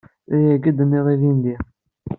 D ayagi i d-tenniḍ ilindi.